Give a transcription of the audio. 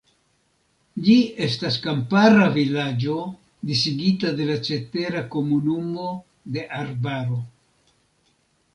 Ĝi estas kampara vilaĝo disigita de la cetera komunumo de arbaro.